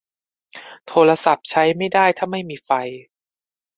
โทรศัพท์ใช้ไม่ได้ถ้าไม่มีไฟ